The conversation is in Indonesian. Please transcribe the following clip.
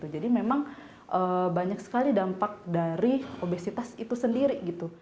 jadi memang banyak sekali dampak dari obesitas itu sendiri